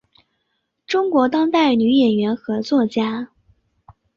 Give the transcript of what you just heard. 中国当代女演员和作家。